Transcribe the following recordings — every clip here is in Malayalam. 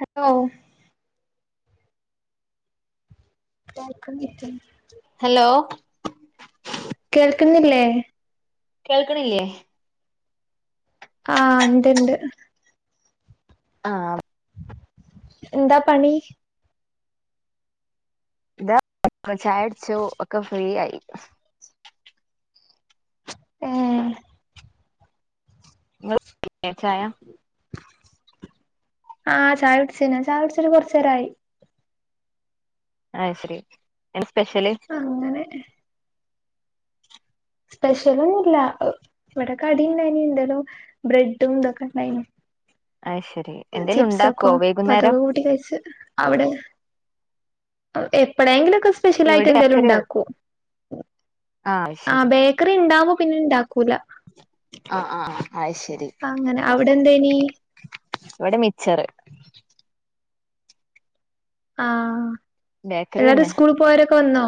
ഹലോ ചായക്കെന്നെ ഇര്ക്കാണ് ഹെലോ കേൾക്ക്ന്നില്ലേ? കേൾക്ക്ണില്ലേ? ആഹ് ഇണ്ട് ഇണ്ട് ആഹ് എന്താ പണി? ഇപ്പ ചായുട്ച്ചു ഒക്കെ ഫ്രീ ആയി ഏ ഹ് ഏച്ചായ ആഹ് ചായുട്ച്ണ് ചായ കുട്ച്ട്ട് കൊർച്ചേരായി. അയ്ശെരി എന്ത സ്പെഷല്? അങ്ങ് സ്പെഷലൊന്നുല്ല ഹ് വെടെ കടിണ്ടായിന് എന്തേലും ബ്രെഡും തൊക്കെ ഇണ്ടായ്നു. അത് ശരി എന്തേലും ഉണ്ടാക്കുവോ ചിപ്സൊക്കൊ വൈകുന്നേരം പ്പതൊക്കെ കൂട്ടി കഴിച്ച് അവ്ടെ? എപ്പളെങ്കിലോക്കെ സ്പെഷലായിട്ട് ഇവിടെ ബേക്കറി എന്തേലുംണ്ടാക്കും അത് ആഹ് ശരി ബേക് ക്കറിണ്ടാവുമ്പോ പിന്നെ ണ്ടാക്കൂല. ആഹ് ആഹ് അത് അങ്ങനെ അവ്ടെന്തേനി? വടെ മിച്ചറ് ആഹ് ബേക്കറി എല്ലാരും തന്നെ സ്കൂള് പോയോരൊക്കെ വന്നോ?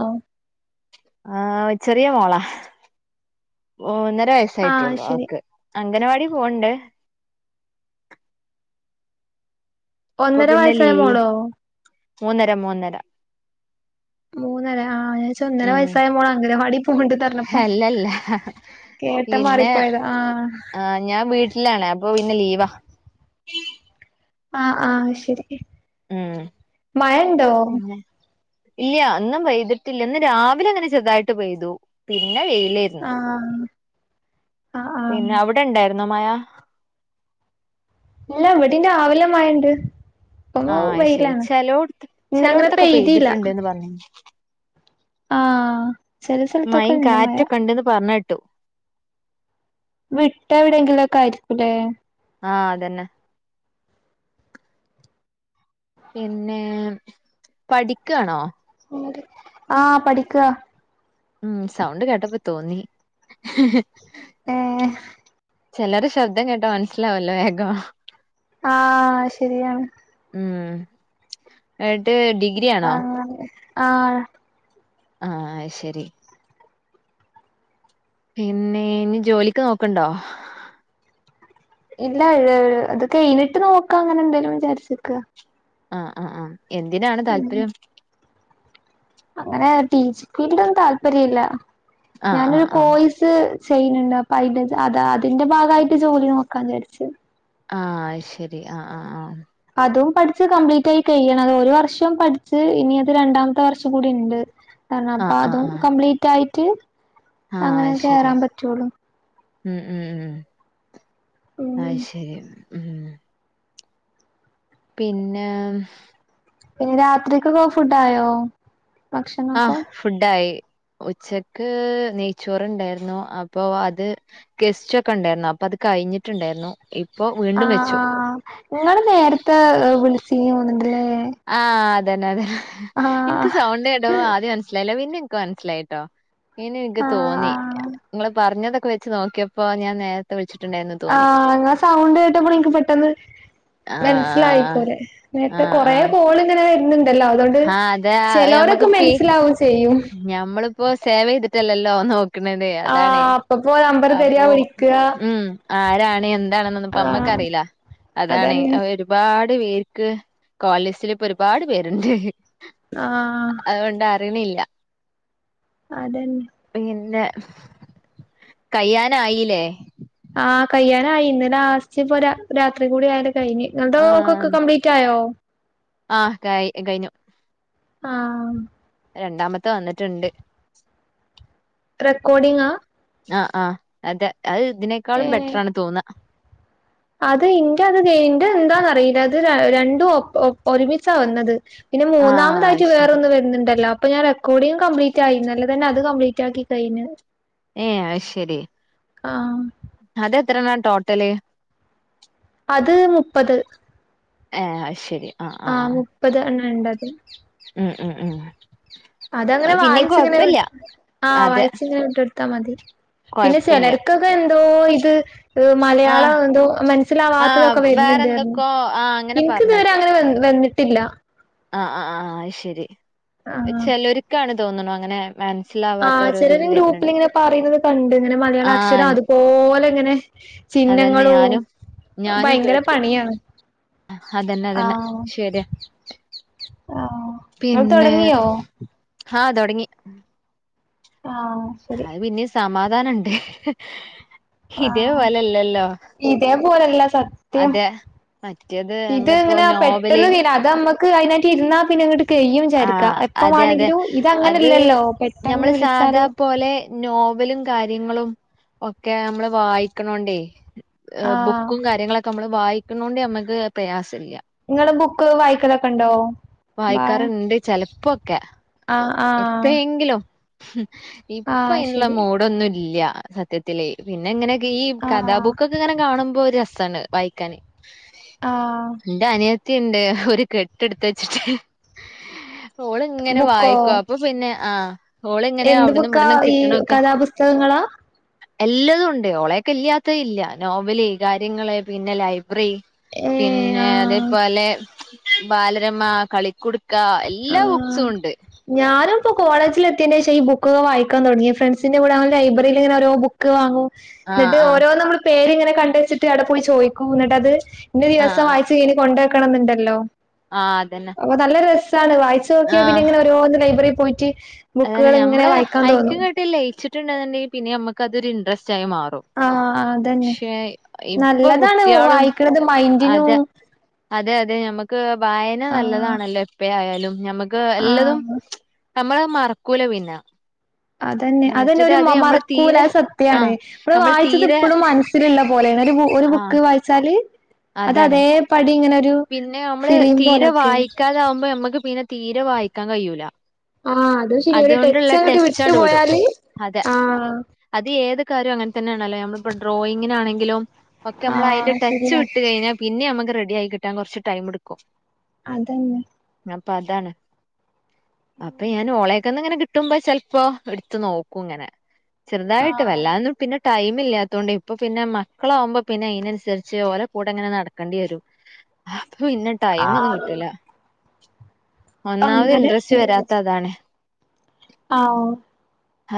ആഹ് ചെറിയ മോളാ, ഒന്നര ആഹ് വയസ്സായിട്ടൊള്ളൂ ശരി അവക്ക്. അംഗനവാടി പോവ്ണ്ട് പ്പൊ ഒന്നര പിന്നെ ലീ വയസ്സായ മോളോ മൂന്നര മൂന്നര മൂന്നര ആഹ് ഞാൻ രിച്ചു ഒന്നര ഉം വയസായ മോള അംഗനവാടി പോവ്ണ്ട്ന്നർഞ്ഞപ്പോ. അല്ലല്ല കേട്ട മാറി പിന്നെ പോയതാ ആഹ് ആഹ് ഞാൻ വീട്ടിലാണ് അപ്പൊ ഇന്ന് ലീവാ. ആഹ് ആഹ് ശെരി ഉം പിന്നെ ഇല്യ, ഇന്നും പെയ്തിട്ടില്ല ന്ന് രാവിലെ അങ്ങനെ ചെറുതായിട്ട് പെയ്തു പിന്നെ വെയിലെര് ആഹ് പിന്നെ അവിടെണ്ടായിര്ന്നോ മയാ ഇല്ല വടിം രാവില മയണ്ട് ആഹ് അയ്ശരി ചെലോടത്ത് ഇന്നങ്ങനെ ചെിലോട്ത്തൊക്കെ പെയ്തില്ല പെയ്തിട്ടുണ്ട്ന്ന് പർഞ്ഞ് ആ ചെല സ്ഥലത്തൊക്കെ മയിം ഇണ്ട് മഴ കാറ്റൊക്കണ്ട്ന്ന് പർഞ്ഞേട്ട് വിട്ടെവിടെങ്കിലൊക്കായിരി ക്കുലേ ആഹ് അതന്നെ പിന്നെ പഠിക്കാണോ ആഹ് പഠിക്കാ ഉം സൗണ്ട് കേട്ടപ്പതോന്നി ഏഹ് ചെലര ശബ്ദം കേട്ടാമൻസ്സിലാവല്ലോ വേഗം ആഹ് ശരിയാണ് ഉം ഏട്ട് ഡിഗ് ആഹ് ആഹ് ആഹ് അയ്ശെരി പിന്നെ ഇനി ജോലിക്ക് നോക്ക്ണ്ടോ ഇല്ല ഏഹ് ഇത് കയ്ഞ്ഞിട്ട് നോക്കാ അങ്ങനെ എന്തെലും വിജാര്ച്ച്ക്ക ആഹ് ആഹ് ആഹ് എന്തിനാണ് ഉം താല്പര്യം അങ്ങനെ ടീച്ചിക്ക് ട്ടി ട്ടിടൊന്നുതാല്പര്യല്ല ആഹ് ഞാനൊരു ആഹ് ആഹ് കോയിസ് സ് ചെയ്ണ് ണ്ട് അപ്പയ്ൻ്റെ ജാതാ അതിന്റെ ഭാഗായിട്ട് ജോലി നോക്കാന്ന് വിജാരിച്ച് ആഹ് അയ്ശെരി ആഹ് ആഹ് ആഹ് അതും പഠിച്ച് കംപ്ലീറ്റായി കയ്യണം അത് ഒരോവർഷം പഠിച്ച് ഇനി അത് രണ്ടാമത്തെ വർഷകൂടിണ്ട് കാര്നം ആഹ് ആഹ് അപ്പാതും ആഹ് കംപ്ലീറ്റായിറ്റ് ആഹ് അങ്ങനെ അത് ശരി കേറാൻ പറ്റൊള്ളു ഉം ഉം ഉം ഉം അയ്ശെരി ഉം പിന്നെം പിന്നെ രാത്രികക്കെ ഫുഡ്ഡായോ ആഹ് ഫുഡ്ഡായി ഉച്ചക്ക് നെയ്ച്ചോറുണ്ടാര്ന്നു അപ്പോ അത് ഗസ്റ്റൊക്കെണ്ടാര്ന്നു അപ്പത് കയ്ഞ്ഞിട്ട്ണ്ടാര്ന്നു ഇപ്പൊ വീണ്ടും ആഹ് വെച്ചു ആഹ് ഇങ്ങള് നേരത്തെ വിളിച്ചീന്നോന്ന്ണ്ട്ല്ലേ ആഹ് അതന്നെ അതന്നെ ഇൻക്ക് സൗണ്ട് കേട്ടപ്പാദ്യൻസ്സിലായില പിന്നെ മനസ്സിലായിട്ടോ ഇനി ഇൻക്ക് ആഹ് തോന്നി ആഹ് ഇങ്ങള് പറഞ്ഞതൊക്കെ വെച്ച് നോക്കിയപ്പോ ഞാൻ നേര ത്ത വിളിച്ച്ട്ട്ണ്ടായിര്ന്നു ആഹ് ഇങ്ങള സൗണ്ട് കേട്ടപ്പള്ൻക്ക് പെട്ടെന്ന് മൻസ്സിലായി ആഹ് പോലെ നേരത്തെ ആഹ് കൊറെ ആഹ് കോളിങ്ങനെ വെര്ന്ന്ൺ ണ്ടല്ലോ അതോണ്ട് ആഹ് അതെ ചെലൊരക്കെ മെൻസ്സിലാവും ചെയ്യും ഞമ്മള്പ്പോ സേവീത്ട്ടല്ലല്ലോ നോ ക്ക്ണതേ ആ അതാണേ അപ്പപ്പോ നമ്പർ തരിക അപ്പോ വിളിക്കുക ഉം ആരാണ് എന്താണെന്നന്നും പ്പ ആ മ്മക്കറീലാ അതാണ് അതന്നെ അവരു പാട് പേര്ക്ക് കോൾലിസ്റ്റിലിപ്പോരുപാട് പേര്ണ്ട് ആഹ് അഓണ്ട് അറിണില്ല അതന്നെ പിന്നെ കയ്യാനായീലേ ആഹ് കയ്യാനായി ഇന്ന് ലാസ്റ്റ് പൊ ര രാത്രി കൂടി ആയാല് കയിഞ്ഞ് നിങ്ങൾദൊക് ക്ക് ആഹ് കപ്ലീ റ്റായോ ആഹ് കൈ കൈഞ്ഞു ആഹ് രണ്ടാമത്തെ വന്ന്ട്ട്ണ്ട് റെക്കോഡിങ്ങാ ആഹ് ആഹ് അതെ അത് ഇതിനേക്കാളും ഏ ബെറ്ററാണ് തോന്ന അത് ഇന്റെ അത് കൈ ഇന്റെ ന്താന്നറീല അത് ര രണ്ടും ഒപ് ഒപ് ഒരുമിച്ചാ വന്നത് പിന്നെ ആഹ് മൂന്നാമതായിറ്റ് അത് ശരി വേറൊന്നും വര്ന്ന്ണ്ടല്ലോ അപ്പൊ ഞാൻ റ ക്കോഡിയം കപ്ലീറ്റായി നല്ലതന്നെ അത് കപ്ലീറ്റാക്കി കയ്നു ഏഹ് അത് ശരി ആഹ് അതെത്രണ്ണാ ടോട്ടല് അത് മുപ്പത് ഏഹ് അയ് ശരി ആഹ് മുപ്പത് എണ്ണണ്ടത് ഉം ഉം ഉം അതങ്ങനെ അത് പിന്നേം വായിച് ഇങ്ങനെ വി കൊഴപ്പില്ല ആ അതെ വായിച്ചിങ്ങനെ വിട്ടോട്ത്താ മതി പിന്നെ കൊഴപ്പില്ല ചെലര്ക്ക്ങ്ങനെ എന്തോ ഇത് ആഹ് മലയാളം എന്തോ ആഹ് മൻസ്സിലാവാത്തതൊക്ക വര്ന്ണ്ട് പർഞ് വേറെന്തൊക്കോ ആഹ് അങ്ങനെ ഇൻക്ക് ഇതുവരെ അങ്ങനെ വ വന്ന്ട്ടില്ല ആ ആ ആ അയ് ശെരി ആഹ് ചെലൊര്ക്കാണ് തോന്ന്ണ് അങ്ങനെ മൻസ്സില ആ ചെലര് ഗ്രൂപ്പ്ലിങ്ങനെ പറയുന്നത് കണ്ട് ഇങ്ങനെ മലയാള അക്ഷരം ആഹ് അതുപോല ഇങ്ങനെ അതന്നെ ചിഹ്നങ്ങളൂ ഞാനും ഞാനും ഭയങ്കര കേട്ടു പണിയാണ് അതന്നെ അതന്നെ ശരിയാ ആ പിന്നെ ഹാ തൊടങ്ങി ആ അത് പിന്നിം സമാധാനണ്ട് ഇതേ പോലല്ലല്ലോ ഇതേ പോലല്ല സത്യം മറ്റേത് ഇത് നമ്മളിപ്പോ ഇങ്ങനെ നോവല് പെട്ടെന്ന് തീല അതമ്മ ക്ക് അയിനായിട്ട് ഇര്ന്ന പിന്നെ അങ്ങട്ട് കെയ്യും വിജാരിക്ക ആഹ് എപ്പ അതെ അതെ വാണെങ്കിലും അത് ഇതങ്ങനല്ലല്ലോ പെട്ടെന്ന് ഞമ്മള് സാധാ വിളിച്ചാലും പോലെ നോവലും കാര്യങ്ങളും ഒക്കെ നമ്മള് വായിക്ക്ണോണ്ടേ ആഹ് ബുക്കും കാര്യങ്ങളൊക്ക നമ്മള് വായിക്ക്ണോണ്ട് നമ്മക്ക് പ്രയാസല്ല്യ ഇങ്ങള് ബുക്ക് വായിക്കലൊക്ക ഇണ്ടോ ബാ വായിക്കാറ്ണ്ട് ചെലപ്പോക്കെ ആഹ് ആഹ് എപ്പയെങ്കിലും ഇപ്പ ആഹ് അയിന്ള്ള ശരി മൂഡൊന്നു ഇല്ല സത്യത്തില് പിന്നെ ഇങ്ങനെക്കെ ഈ ആഹ് കഥാബുക്ക് ങ്ങനെ കാണുമ്പോ ഒര് രസാണ് വായിക്കാന് ആഹ് ഇന്റെ അനിയ ത്തി ഇണ്ട് ഒരു കെട്ട് ഇട്ത്ത് വെച്ട്ട് ഓള് ഇങ്ങനെ ബുക്കോ വായിക്കു അപ്പൊ പിന്നെ ആ ഓള് ഇങ്ങനെ എന്ത് അവ്ട്ന്നും ബുക്കാ ഇവട്ന്നും ഈ കിട്ട്ണൊക്കെ കഥാപുസ്തകങ്ങളാ എല്ലതുണ്ട് ഓളെക്കെ ഇല്ലാത്ത ഇല്ല നോവല് കാര്യങ്ങള് പിന്നെ ലൈബ്രറി ഏ പിന്നെ ആഹ് അതേപോലെ ബാലരമ കളിക്കുടു ക്ക എല്ലാ ബുക്സു ആഹ് ഉണ്ട് ഞാനും ഇപ്പ കോളേജില് എത്തിയെന്റെഷ ഈ ബുക്കൊക്ക വായിക്കാൻ തോട്ങ്ങിയ ഫ്രണ്ട്സിന്റെ കൂടെ ലൈബ്രറിയില് ഇങ്ങനെ ഓരോ ബുക്ക് വാങ്ങും ആഹ് ന്നട്ട് ആഹ് ഓരോ നമ്മ പേര് ഇങ്ങനെ കണ്ടച്ട്ട് അവ്ടെ പോയി ചോയ്ക്കൂ ന്നട്ട് അത് ഇന്ന ആഹ് ദിവസം വായിച്ച് കഴിഞ് കൊണ്ടെക്കണം ന്ന്ണ്ടല്ലോ ആ അതന്നെ അപ്പൊ നല്ല രസാണ് വായിച്ച് നോക്കിയാ പിന്നെ ആഹ് ഇങ്ങനെ ഓരോന്ന് ലൈബറി പോയിട്ട് അതന്നെ ബുക്കുകൾ ഇങ്ങനെ ഞമ്മള് വായിക്കാൻ അഴിക്ക് തോന്നും ഇങ്ങട്ട് ലയിച്ട്ട്ണ്ട്ന്നുണ്ടെങ്കി പിന്നെ ഞമ്മക്ക് അതൊര് ഇൻട്രസ്റ്റ് ആയി മാറും ആഹ് അതന്നെ പക്ഷെ ഇപ്പൊ നല്ലതാണ് കുട്ടിയളും വായിക്കണത് അത മൈൻഡിനും അതെ അതെ ഞമ്മക്ക് വായന ആഹ് നല്ലതാണല്ലേ [unintelligible] ആയാലും ഞമ്മക്ക് എല്ലതും ആഹ് നമ്മള് മർക്കൂല പിന്നെ അതന്നെ അതന്നെ മറ്റത് ഒരു മ അത് നമ്മള് മർക്കൂല തീരെ അത് സത്യാണ് ആഹ് മ്മള് നമ്മൾ വായിച്ചത് തീരെ ഇപ്പളും മൻ സില് ഇള്ള പോലെണ് ഒര് ബു ഒര് ആഹ് ബുക്ക് വായിച്ചാല് അത് അതാണ് അതേപടി ഇങ്ങനെ ഒരു ഫിലീം പോലൊക്കെ ക്കാത ആവുമ്പ ഞമ്മക്ക് പിന്നെ തീരെ വായിക്കാൻ കയ്യൂല ആ അത് ശരി ഒര് ടെച്ചാങ്ങട്ട് വിട്ടു ടച്ചാണ്ട് വിടും പോയാല് അത ആ അത് ഏത് കാര്യം അങ്ങൻ തന്നെ ആണല്ലോ നമ്മളിപ്പ ഡ്രോയിങ്ങിനാണെങ്കിലും ഓക്കെ നമ്മള അയിന്റെ ആഹ് ടച്ച് ശരിയാ വിട്ട് കഴിഞ്ഞാ പിന്നെ ഞമ്മക്ക് റെഡി ആയി കിട്ടാൻ കൊർച്ച് ടൈമ് ഇട്ക്കും അതന്നെ അപ്പ അതാണ് അപ്പ ഞാൻ ഓളെ ക്ക്ന്ന് ഇങ്ങനെ കിട്ടുമ്പ ചെൽപ്പോ ഇട്ത്ത് നോക്കും ഇങ്ങനെ ചെർതായിട്ട് ആഹ് വല്ലാന്നും പിന്നെ- ടൈമ് ഇല്ല്യാത്തൊണ്ട് ഇപ്പൊ പിന്നെ മക്കളാവുമ്പ പിന്നെ അഴിനൻസര്ച്ച് ഓല കൂട ഇങ്ങനെ നട്ക്കണ്ടി വരും അപ്പൊ പിന്നെ ടൈം ഒന്നും ആഹ് കിട്ടൂല അപ്പൊ ഒന്നാമത് അങ്ങനെ ഇൻട്രസ്റ്റ് വരാത്ത അതാണ് ആഓ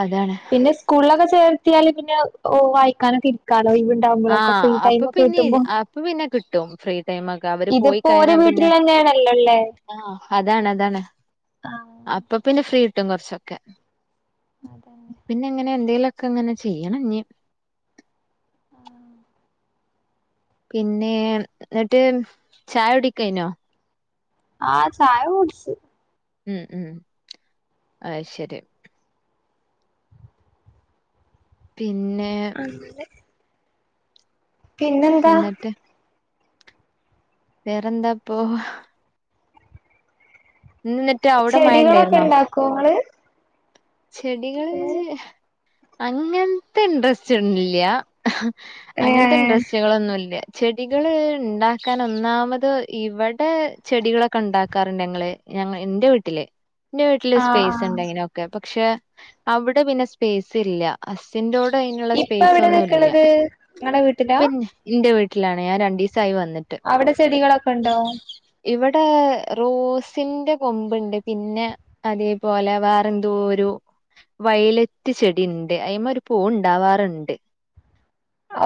അതാണ് പിന്നെ സ്കൂളിലൊക്കെ ചേർത്തിയാൽ പിന്നെ വായിക്കാനോക്കെ ഇരിക്കലോ ആഹ അപ്പൊ പിന്നെ അപ്പൊ പിന്നെ കിട്ടും ഫ്രീ ടൈമ ഒക്കെ അവര് പോയി ഇപ്പോ ഓരെ കഴിഞ്ഞാൽ വീട്ടിൽ പിന്നെ തന്നെയാണല്ലോല്ലേ ആഹ് അതാണ് അതാണ് അപ്പൊ പിന്നെ ഫ്രീ കിട്ടും കൊറച്ചൊക്കെ അതന്നെ പിന്നെ എങ്ങനെ എന്തേലും ഒക്കെ എങ്ങനെ ചെയ്യണം ഇനി ആഹ് പിന്നെ എന്നിട്ട് ചായ കുടിയിക്കെകൈഞ്ഞോ ആഹ ചായ കുടിച് ഉം ഉം അയ്ശേരി പിന്നെ [inaudible] പിന്നെന്താ എന്നിട്ട് വേറെന്താപ്പൊ ഇന്ന്‌ എന്നിട്ട് അവിടെ മഴണ്ടായിരുന്നോ [unintelligible] പ്രത്യേക ചെടികൾ ഏ അങ്ങനത്തെ ഇൻട്രസ്റ്റ് ഇല്ല്യ അങ്ങനത്തെ ഇൻട്രെസ്റ്റ് കളൊന്നുംല്ല്യ ചെടികള് ഉണ്ടാക്കാൻ ഒന്നാമത് ഇവിടെ ചെടികളൊക്കെ ഉണ്ടാക്കാറുണ്ട് ഞങ്ങള് ഞങ്ങ ഇന്റെ വീട്ടില് ഇന്റെ വീട്ടില് ആഹ് സ്പേസ് ആഹ് ഉണ്ടങ്ങനൊക്കെ പക്ഷെ അവിടെ പിന്നെ സ്പേസ് ഇല്ല അസിൻ്റോഡി അതിനുള്ള ഇപ്പ സ്പേസ് എവിടെ ഒന്നും ഇല്ല നിക്ക്ണത് ഇങ്ങളെ വീട്ടിലാ പിന്നെ ഇന്റെ വീട്ടിലാണ് ഞാൻ രണ്ടീസായി വന്ന അവിടെ ചെടികളൊക്കെ ഉണ്ടോ ഇവിടെ റോസിന്റെ കൊമ്പുണ്ട് പിന്നെ അതേപോലെ വേറ എന്തോ ഒരു വയലറ്റ് ചെടി ഉണ്ട് അതി്മ ഒരു പൂവ് ഉണ്ടാവാറുണ്ട്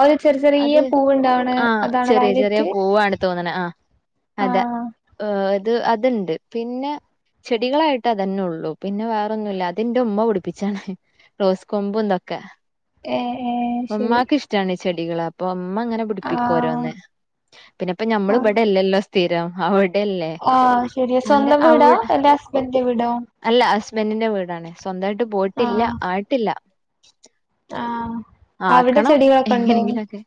ഒരു ചെറി ചെറിയ അത് പൂവുണ്ടാവ്ണെ ആഹ അതാണ് ചെറിയ ചെറിയ വയലറ്റ് പൂവാണ് തോന്നണ ആ അതെ ആഹ് അത് അത്ണ്ട് പിന്നെ ചെടികളായിട്ട് അതന്നെ ഉള്ളൂ പിന്നെ വേ ഒന്നുല്ല അതിന്റെ ഉമ്മ പിടിപ്പിച്ചാണ് റോസ് കൊമ്പുംന്തൊക്കെ ഏഹ് ഏഹ് ശരി ഉമ്മാക്ക് ഇഷ്ടാണ് ചെടികൾ അപ്പൊ ഉമ്മ അങ്ങനെ ആഹ് പ്പിക്കരോന്ന് പിന്നെപ്പ നമ്മൾ ആഹ് ഇവിടെല്ലല്ലോ സ്ഥീരംഅവി ആഹ് ശരിയ സ്വന്തം വീടോ അല്ല ഹസ്ബൻ്റ് ൻ്റെ വീടോ അല്ല ഹസ്ബൻ്റ് ൻ്റെ വീടാണ് സ്വന്തമായിട്ട് പോയിട്ടില്ല ആഹ് ആയിട്ടില്ല ആഹ് അവിടെ ആക്കണം ചെടികളൊക്കെ ഇണ്ടോ എങ്ങനെങ്കിലുംമൊക്കെ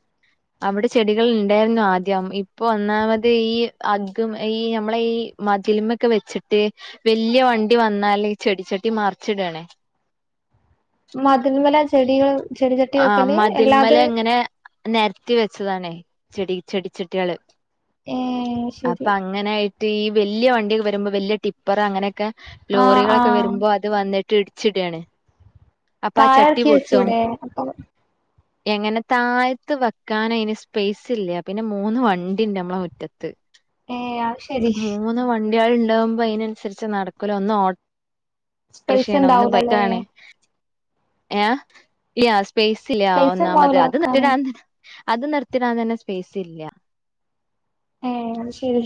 അവിടെ ചെടികൾ ഉണ്ടായിരുന്നു ആദ്യം ഇപ്പൊ ഒന്നാമത് ഈ അഗഗും ഈ നമ്മളെ ഈ മതിലിമൊക്കെ വെച്ചിട്ട് വല്യ വണ്ടി വന്നാല് ചെടിച്ചട്ടി മറിച്ചിടണേ മതിൽ മല ചെടികൾ ചെടി ചട്ടി ആ വെക്കല് അല്ലാതെ മതിൽമേലെ ഇങ്ങനെ നിരത്തി വെച്ചതാണേ ചെടി ചെടിച്ചെട്ടികള് ഏഹ് അപ്പൊ ശരി അങ്ങനൊയിട്ട് ഈ വല്ല്യ വണ്ടിയൊക്കെ വരുമ്പോ വല്ല്യ ടിപ്പർ അങ്ങനെ ക്കെ ആഹ് ലോറികളൊക്കെ ആഹ് വരുമ്പോ അത് വന്നിട്ട് ഇടിച്ച് ഇടാണ്. അപ്പാ ചട്ടി താഴെറക്കി പൊട്ടും. [unintelligible] എങ്ങനെ താഴത്ത് വെക്കാനയ്തിന് സ്പേയ്സ് ഇല്ല. പിന്നെ മൂന്ന് വണ്ടിണ്ട് അമ്മളെ മുറ്റത്ത്. ഏഹ് അത് ശരി മൂന്ന് വണ്ട്യാൾ ഇണ്ടാവുമ്പ അയ്നൻസര്ച്ച് നടക്കൂല ഒന്ന് ഓ സ്പേസ് ട്ട്രക്ഷേണ് ഒന്ന് ഇണ്ടാവൂലല്ലേ ബൈക്കാണേ. ഏഹ് യാ സ്പേയ്സ് ഇല്ല സ്പേസ് ഒന്നാമത് ഇണ്ടാവൂല അത് വെക്കാന് നി അത് നിർത്തിടാൻ തന്നെ സ്പേസ് ഇല്ല. ഏഹ് അത് ശെരി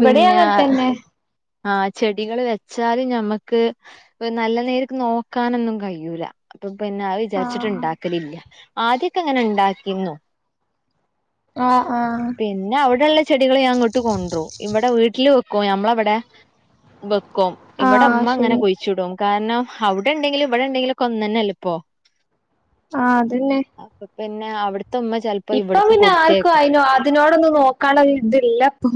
ഇവടിംഅങ്ങൻ തന്നെ. ആഹ് ചെടികള് വെച്ചാല് ഞമ്മക്ക്. ഒരു നല്ല നേരക്ക് നോക്കാനൊന്നും കയൂല. അപ്പൊ പിന്നെ അത് വിചാര്ച്ച്ട്ട് ആഹ് ഇണ്ടാക്കല് ഇല്ല. ആദ്യൊക്കെ അങ്ങനെ ഇണ്ടാക്കീന്നു. ആഹ് ആഹ്. പിന്നെ അവിടെ ഇള്ള ചെടികള് ഞാ ഇങ്ങട്ട് കൊണ്ട്രും. ഇവടെ വീട്ടില് വെക്കും ഞമ്ലവെടെ. ബെക്കും ഇവടെ ആഹ് ഇമ്മങ്ങനെ ശരി കുയ് ച്ടും. കാര്ണം അവിടെ ഇണ്ടെങ്കിലും ഇവടെ ഇണ്ടെങ്കിലും ഒക്കെ ഒന്നന്നെല്ലെപ്പോ. ആഹ് അതന്നെ. അപ്പൊ പിന്നെ അവ്ട്ത്തെ ഉമ്മ. ചെലപ്പോ ഇപ്പം ഇവിടക്ക് പിന്നെ കൊടുത്തേക്കും ആർക്കും അയ്നൊ അതിനോടൊന്നും നോക്കാള്ളൊരു ഇത് ഇല്ലപ്പൊ.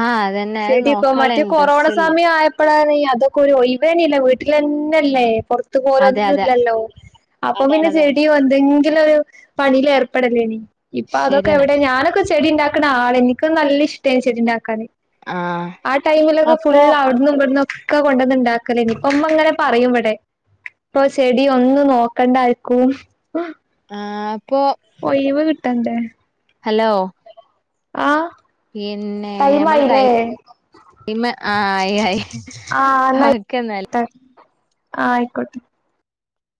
ആഹ് അതെന്നെ. ചെടിപ്പൊ മറ്റെ കൊറോണ സമയം ആയപ്പോളാണെ അതൊക്കെ ഒരു ഒഴീവേനില്ല വീട്ടിലെൻ എല്ലെ പൊർത്ത് അതെ പോവലൊന്നും അതെ ഇല്ലല്ലോ. അപ്പൊ അതാണ് പിന്നെ അതാണ് ചെട്യാെ എന്തെങ്കി. ങ്കിലും ഒരു പണീലേർപ്പെടലേനി. ഇപ്പൊ അതൊക്കെ ശരിയാണ് എവിടെ ഞാനൊക്കെ. ചെടി ഇണ്ടാക്ക്ണ ആളേനി. ഇക്ക് നല്ല ഇഷ്ടേന് ചെടിണ്ടാക്കാന്. ആഹ്. ആ ടൈമിലൊക്കെ അപ്പൊ ഫുള്ള് അവിട്ന്നും ഇവട്ന്നൊക്കെ കൊണ്ടന്ന് ഇണ്ടാക്കലേനി. ഇപ്പൊ ഇങ്ങനെ പറയും ഇവടെ. ഇപ്പൊ ചെടി ഒന്നും നോക്കണ്ട ആര്ക്കും. ആഹ് ഇപ്പൊ. ഒയിവ് കിട്ടണ്ടേ ഹലോ ആഹ്. പിന്നെ നമ്മള് ടൈം. ഇമ്മ ആഹ് ആയ് ആയ് ആ എന്നാ ഓക്കെ ഇന്നാല്. ആയിക്കോട്ടെ ആ ആയ്ക്കോട്ടെ.